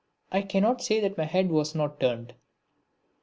I cannot say that my head was not turned.